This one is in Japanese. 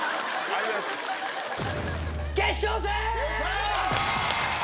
決勝戦！